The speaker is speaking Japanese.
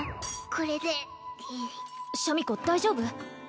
これでシャミ子大丈夫？